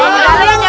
jangan nilangin ya